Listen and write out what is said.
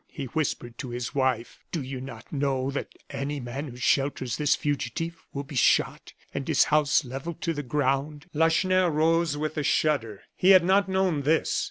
he whispered to his wife, "do you not know that any man who shelters this fugitive will be shot, and his house levelled to the ground?" Lacheneur rose with a shudder. He had not known this.